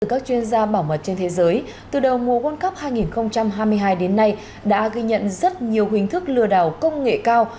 các chuyên gia bảo mật trên thế giới từ đầu mùa world cup hai nghìn hai mươi hai đến nay đã ghi nhận rất nhiều hình thức lừa đảo công nghệ cao